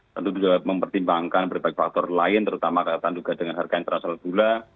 tentu juga mempertimbangkan berbagai faktor lain terutama kata kata dengan harga yang terasal gula